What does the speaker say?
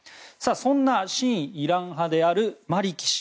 そんな親イラン派であるマリキ氏。